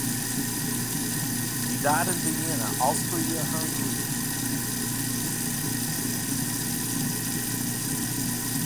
He died in Vienna, Austria-Hungary.